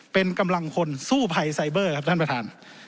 เป็นกำลังคนสู้ภัยไซเบอร์ครับท่านประธาน